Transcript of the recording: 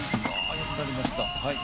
よく伸びました。